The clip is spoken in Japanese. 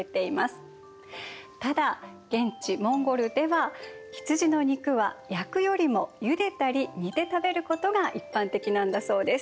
ただ現地モンゴルでは羊の肉は焼くよりもゆでたり煮て食べることが一般的なんだそうです。